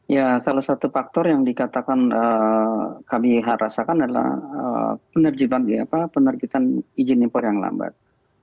ya salah satu faktor yang dikatakan kami rasakan adalah penerbitan izin impor yang lambat